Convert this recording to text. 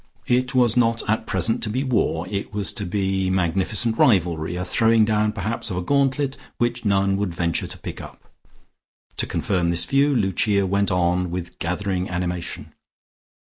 It was not at present to be war; it was to be magnificent rivalry, a throwing down perhaps of a gauntlet, which none would venture to pick up. To confirm this view, Lucia went on with gathering animation.